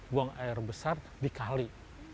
buang air besar dikali